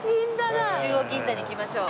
中央銀座に行きましょう。